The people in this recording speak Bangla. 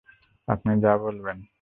আপনি যা বলবেন।